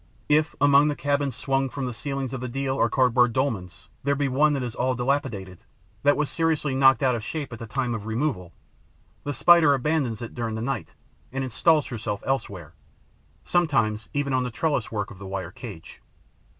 If, among the cabins swung from the ceilings of the deal or cardboard dolmens, there be one that is all dilapidated, that was seriously knocked out of shape at the time of removal, the Spider abandons it during the night and instals herself elsewhere, sometimes even on the trellis work of the wire cage.